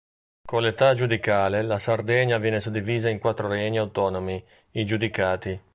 Con l'età giudicale la Sardegna viene suddivisa in quattro regni autonomi, i giudicati.